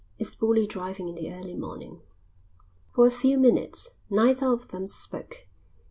It's bully driving in the early morning." For a few minutes neither of them spoke.